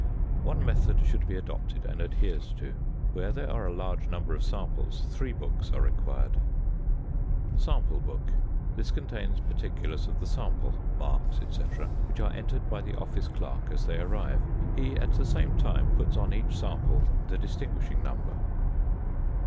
One method should be adopted and adhered to. Where there are a large number of samples, three books are required. Sample Book. This contains particulars of the samples (marks, &c.), which are entered by the office clerk as they arrive. He at the same time puts on each sample the distinguishing number.